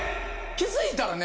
気付いたらね